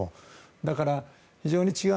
だから、非常に違う。